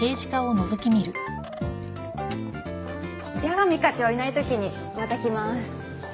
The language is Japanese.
矢上課長いない時にまた来ます。